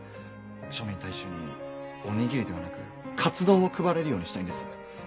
庶民大衆におにぎりではなくかつ丼を配れるようにしたいんです。